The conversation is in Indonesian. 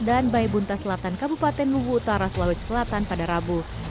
dan bayi buntaselatan kabupaten mungu utara selawik selatan pada rabu